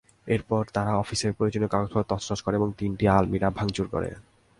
এরপর তারা অফিসের প্রয়োজনীয় কাগজপত্র তছনছ করে এবং তিনটি আলমিরা ভাঙচুর করে।